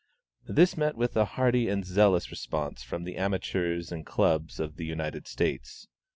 This "met with a hearty and zealous response from the amateurs and clubs of the United States.